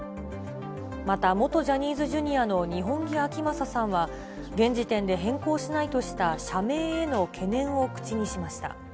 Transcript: また元ジャニーズＪｒ．の二本樹顕理さんは、現時点で変更しないとした社名への懸念を口にしました。